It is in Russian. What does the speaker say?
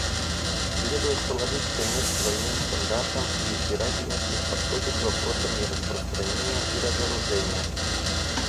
Следует положить конец двойным стандартам и избирательности в подходе к вопросам нераспространения и разоружения.